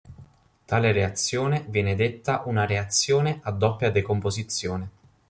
Tale reazione viene detta una reazione a doppia-decomposizione.